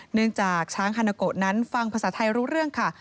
เนื่องจากช้างฮานาโกะนั้นฟังภาษาไทยรู้เรื่องค่ะ